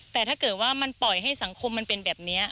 แต่ถ้าเกิดว่ามันปล่อยให้สังคมมันเป็นแบบนี้